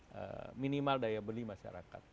untuk minimal daya beli masyarakat